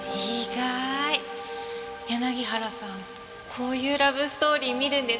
こういうラブストーリー見るんですか？